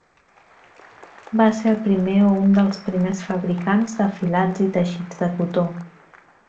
Va ser el primer o un dels primers fabricants de filats i teixits de cotó.